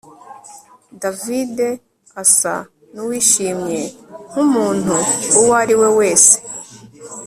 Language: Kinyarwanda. David asa nuwishimye nkumuntu uwo ari we wese